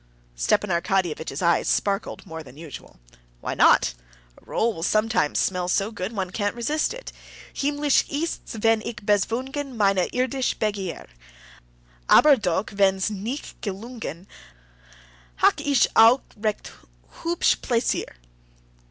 Stepan Arkadyevitch's eyes sparkled more than usual. "Why not? A roll will sometimes smell so good one can't resist it." "Himmlisch ist's, wenn ich bezwungen Meine irdische Begier; Aber doch wenn's nich gelungen Hatt' ich auch recht hübsch Plaisir!"